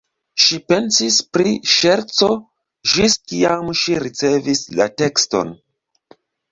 Ŝi pensis pri ŝerco, ĝis kiam ŝi ricevis la tekston.